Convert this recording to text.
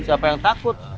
siapa yang takut